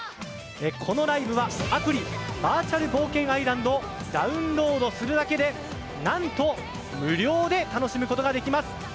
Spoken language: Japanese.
このライブはアプリバーチャル冒険アイランドをダウンロードするだけで何と無料で楽しむことができます。